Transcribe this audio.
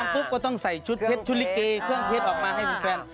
เค้าเรียกเกาหลีศาล